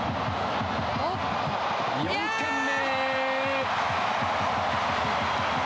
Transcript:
４点目。